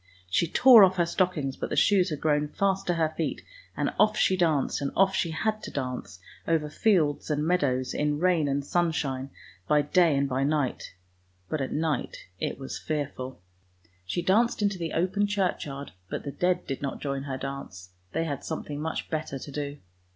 She tore off her stockings, but the shoes had grown fast to her feet, and off she danced, and off she had to dance over fields and meadows, in rain and sun shine, by day and by night, but at night it was fearful. She danced into the open churchyard, but the dead did not join her dance, they had something much better to do.